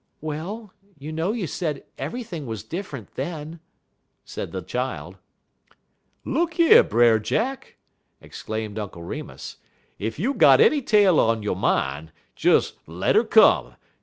"Well, you know you said everything was different then," said the child. "Look yer, Brer Jack," exclaimed Uncle Remus, "ef you got any tale on yo' mine, des let 'er come.